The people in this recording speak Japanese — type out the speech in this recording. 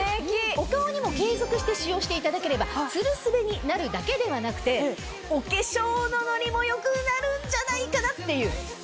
お顔にも継続して使用していただければツルスベになるだけではなくてお化粧のノリも良くなるんじゃないかなっていう。